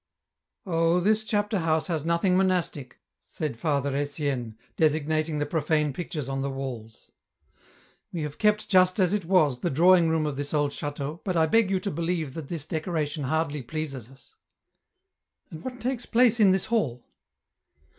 Oh ! this chapter house has nothing monastic," said Father Etienne, designating the profane pictures on the walls ;" we have kept just as it was the drawing room of this old chateau, but I beg you to believe that this decora tion hardly pleases us." '* And what takes place in this hall